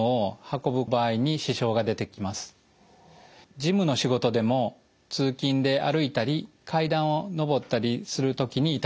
事務の仕事でも通勤で歩いたり階段を上ったりする時に痛みます。